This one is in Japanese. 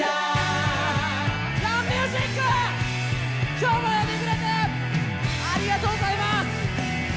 今日も呼んでくれてありがとうございます！